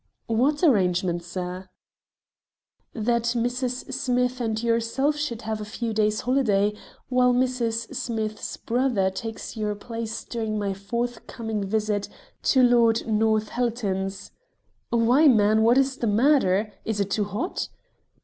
"What arrangement, sir." "That Mrs. Smith and yourself should have a few days' holiday, while Mrs. Smith's brother takes your place during my forthcoming visit to Lord Northallerton's why, man, what is the matter? Is it too hot?"